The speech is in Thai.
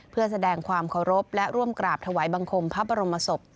เพื่อแสดงความเคารพและร่วมกราบถวายบังคมพระบรมศพ